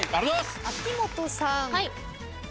秋元さん。